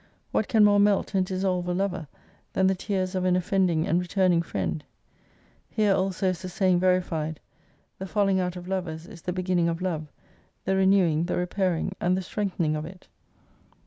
What can more melt and dissolve a lover than the tears of an offending and returning friend ? Here also is the saying verified, The falling out of lovers is the beginning of love , the reneiving^ the repairing^ and the strengthening of it.